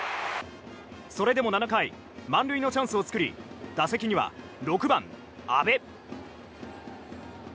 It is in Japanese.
それでも７回満塁のチャンスを作り打席には６番、阿部。